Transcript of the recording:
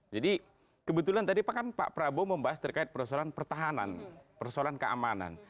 jadi kebetulan tadi pak prabowo membahas terkait persoalan pertahanan persoalan keamanan